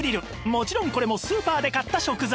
もちろんこれもスーパーで買った食材